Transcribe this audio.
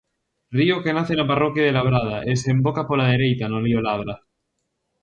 Río que nace na parroquia de Labrada e desemboca pola dereita no río Ladra.